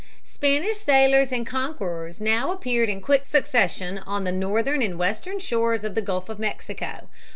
Spanish sailors and conquerors now appeared in quick succession on the northern and western shores of the Gulf of Mexico.